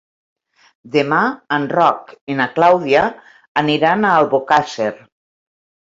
Demà en Roc i na Clàudia aniran a Albocàsser.